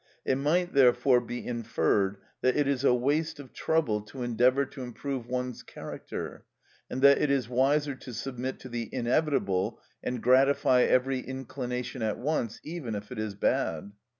It might, therefore, be inferred that it is a waste of trouble to endeavour to improve one's character, and that it is wiser to submit to the inevitable, and gratify every inclination at once, even if it is bad.